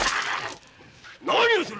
何をする！？